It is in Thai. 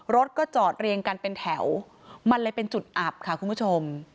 รถก็จอดเรียงกันเป็นแถวมันเลยเป็นจุดอับค่ะคุณผู้ชม